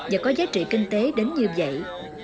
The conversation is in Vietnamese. và có giá trị kinh tế đến như vậy